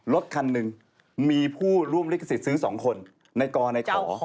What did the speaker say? รถคันหนึ่งมีผู้ร่วมลิขสิทธิ์ซื้อ๒คนในกรในขอ